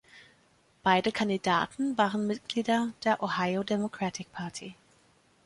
Beide Kandidaten waren Mitglieder der Ohio Democratic Party.